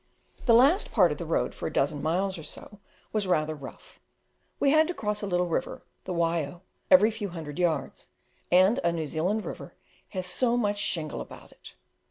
The last part of the road for a dozen miles or so was rather rough; we had to cross a little river, the Waio, every few hundred yards; and a New Zealand river has so much shingle about it!